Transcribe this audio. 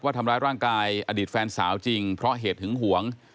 ทำร้ายร่างกายอดีตแฟนสาวจริงเพราะเหตุหึงหวง